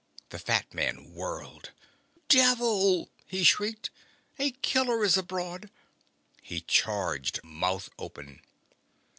The fat man whirled. "Devil!" he shrieked. "A killer is abroad!" He charged, mouth open.